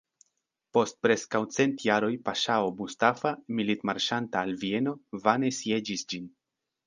Post preskaŭ cent jaroj paŝao Mustafa, militmarŝanta al Vieno, vane sieĝis ĝin.